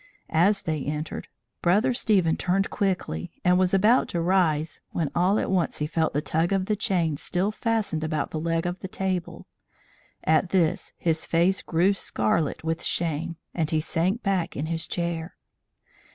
As they entered, Brother Stephen turned quickly, and was about to rise, when all at once he felt the tug of the chain still fastened about the leg of the table; at this his face grew scarlet with shame, and he sank back in his chair.